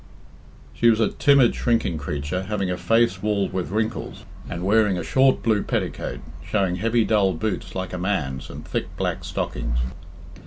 She was a timid, shrinking creature, having a face walled with wrinkles, and wearing a short blue petticoat, showing heavy dull boots like a man's, and thick black stockings.